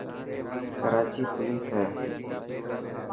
ڪراچي پوليس هي.